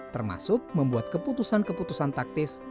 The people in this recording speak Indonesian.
termasuk membuat keputusan keputusan taktis